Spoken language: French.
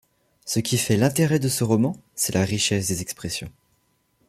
Ce qui fait l'intérêt de ce roman, c'est la richesse des expressions.